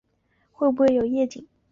会不会有夜景